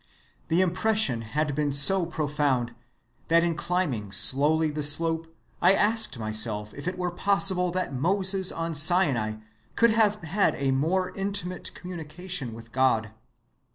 The impression had been so profound that in climbing slowly the slope I asked myself if it were possible that Moses on Sinai could have had a more intimate communication with God.